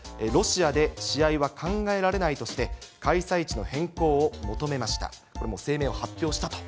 ロシアで試合は考えられないとして、開催地の変更を求めました。